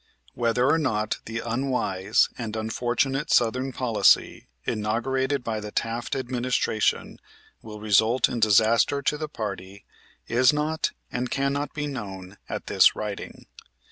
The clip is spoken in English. Whether or not the unwise and unfortunate southern policy inaugurated by the Taft Administration will result in disaster to the party is not and cannot be known at this writing.